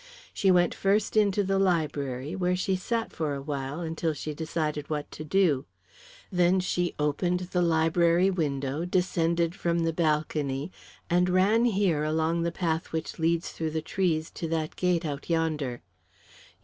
She went first into the library, where she sat for a while until she decided what to do; then she opened the library window, descended from the balcony, and ran here along the path which leads through the trees to that gate out yonder.